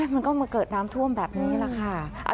มันก็มาเกิดน้ำท่วมแบบนี้แหละค่ะ